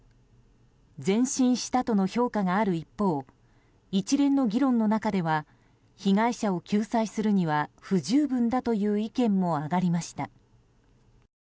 前進したとの評価がある一方一連の議論の中では被害者を救済するには不十分だという意見も上がりました。